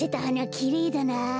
きれいだな。